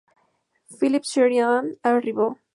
Philip Sheridan arribó.